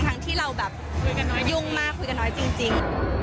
ทั้งที่เราแบบยุ่งมากคุยกันน้อยจริง